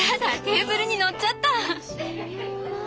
テーブルに乗っちゃった。